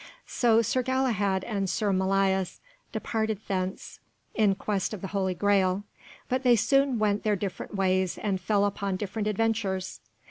So Sir Galahad and Sir Melias departed thence, in quest of the Holy Graal, but they soon went their different ways and fell upon different adventures.